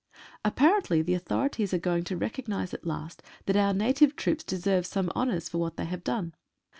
Apparently the authorities are going to recognise at last that our native troops deserve some honours for what they have done.